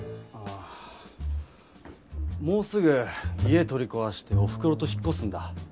ああもうすぐ家取りこわしておふくろと引っこすんだ。